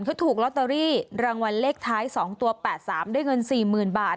เขาถูกลอตเตอรี่รางวัลเลขท้ายสองตัวแปดสามด้วยเงินสี่หมื่นบาท